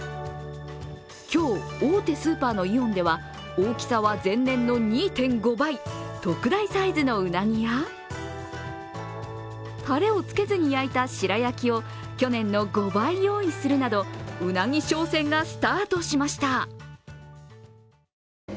今日、大手スーパーのイオンでは大きさは前年の２．５倍特大サイズのうなぎや、たれをつけずに焼いた白焼きを去年の５倍用意するなどうなぎ商戦がスタートしました。